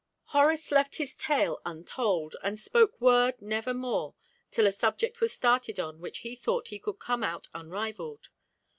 Horace left his tale untold, and spoke word never more till a subject was started on which he thought he could come out unrivalled.